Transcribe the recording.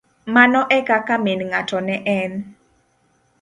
Mano ekaka min ng'ato ne en.